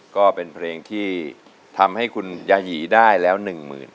ก็เป็นเพลงที่ทำให้คุณยายีได้แล้ว๑หมื่น